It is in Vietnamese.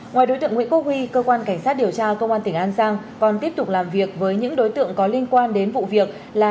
ngoài đối tượng nguyễn quốc huy cơ quan cảnh sát điều tra công an tỉnh an giang còn tiếp tục làm việc với những đối tượng có liên quan đến vụ việc là